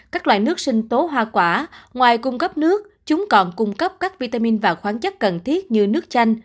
các loại nước sinh tố hoa quả ngoài cung cấp nước chúng còn cung cấp các vitamin và khoáng chất cần thiết như nước chanh